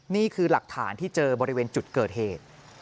นี่คือหลักฐานที่เจอบริเวณจุดเกิดเหตุ